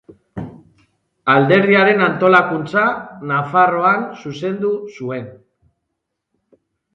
Alderdiaren antolakuntza Nafarroan zuzendu zuen.